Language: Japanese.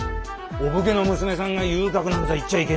お武家の娘さんが遊郭なんざ行っちゃいけねえ。